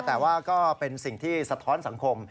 แต่ว่าก็เป็นสิ่งที่สะท้อนสังคม